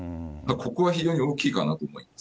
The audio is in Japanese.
ここは非常に大きいかなと思います。